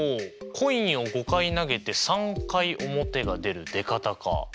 コインを５回投げて３回表が出る出方か。